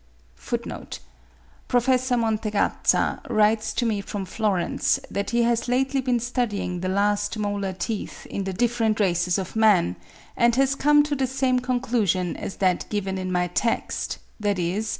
(45. Prof. Montegazza writes to me from Florence, that he has lately been studying the last molar teeth in the different races of man, and has come to the same conclusion as that given in my text, viz.